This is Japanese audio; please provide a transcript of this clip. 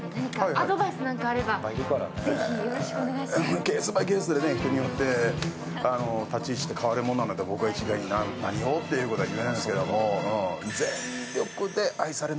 ケース・バイ・ケースで人に寄って立ち位置って変わるものなので僕が一概に何をっていうことは言えないんですけど。